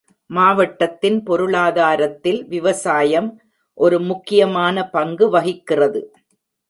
மாவட்டத்தின் பொருளாதாரத்தில் விவசாயம் ஒரு முக்கியமான பங்கு வகிக்கிறது.